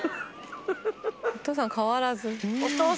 お父さん変わらず。